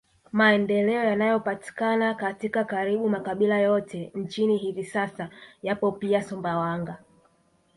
Maendeleo yanayopatikana katika karibu makabila yote nchini hivi sasa yapo pia Sumbawanga